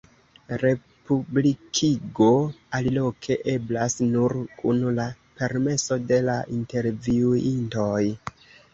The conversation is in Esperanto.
Republikigo aliloke eblas nur kun la permeso de la intervjuintoj.